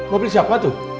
mobil siapa tuh